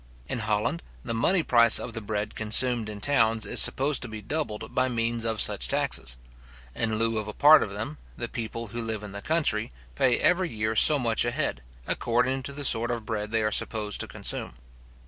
In Holland the money price of the bread consumed in towns is supposed to be doubled by means of such taxes. In lieu of a part of them, the people who live in the country, pay every year so much a head, according to the sort of bread they are supposed to consume.